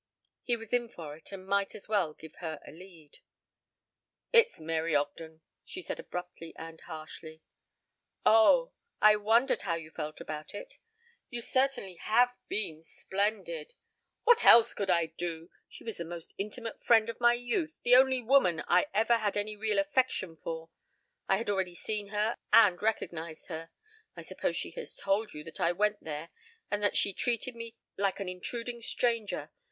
He was in for it and might as well give her a lead. "It's Mary Ogden," she said abruptly and harshly. "Oh I wondered how you felt about it. You certainly have been splendid " "What else could I do? She was the most intimate friend of my youth, the only woman I ever had any real affection for. I had already seen her and recognized her. I suppose she has told you that I went there and that she treated me like an intruding stranger.